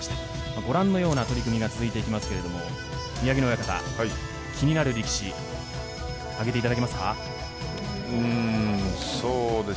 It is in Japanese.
ご覧のような取組が続いていますが宮城野親方、気になる力士を挙げていただけますか？